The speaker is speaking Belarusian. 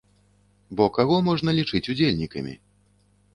Бо каго можна лічыць удзельнікамі?